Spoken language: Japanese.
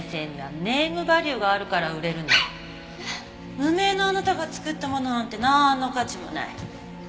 無名のあなたが作ったものなんてなーんの価値もない。